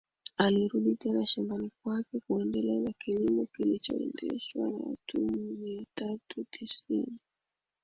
Alirudi tena shambani kwake kuendelea na kilimo kilichoendeshwa na watumwa mia tatu tisini